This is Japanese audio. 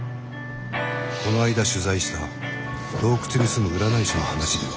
この間取材した洞窟に住む占い師の話では。